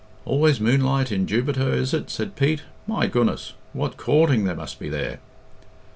"Always moonlight in Jubiter, is it?" said Pete. "My goodness! What coorting there must be there!"